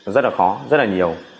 rất là khó rất là nhiều